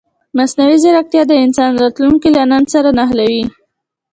مصنوعي ځیرکتیا د انسان راتلونکی له نن سره نښلوي.